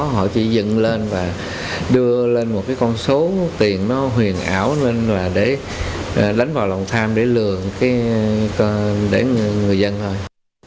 họ chỉ dựng lên và đưa lên một con số tiền nó huyền ảo lên và đánh vào lòng tham để lừa người dân thôi